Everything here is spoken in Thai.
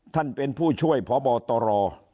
ท่านเป็นผู้ช่วยพบตร